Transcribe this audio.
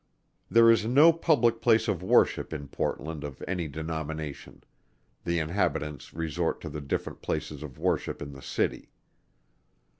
There is no public place of worship in Portland of any denomination: the inhabitants resort to the different places of worship in the city.